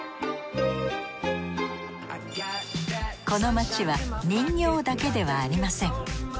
この街は人形だけではありません。